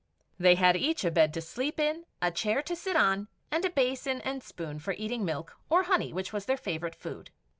They had each a bed to sleep in, a chair to sit on, and a basin and spoon for eating milk or honey, which was their favourite food.